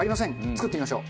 作っていきましょう。